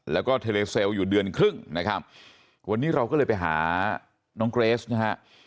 แล้วก็เทเลเซลล์อยู่เดือนครึ่งนะครับวันนี้เราก็เลยไปหาน้องเกรสนะฮะ